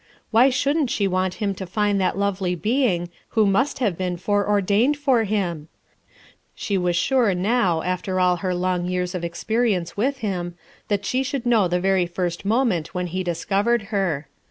Why diouldn' t she want him to find that lovely being who must have been foreordained for him ? She was sure now, after all her long years of experience with him, that she should know the very first mo ment when he discovered her.